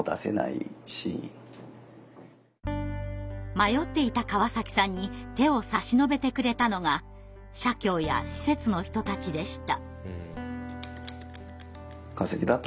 迷っていた川崎さんに手を差し伸べてくれたのが社協や施設の人たちでした。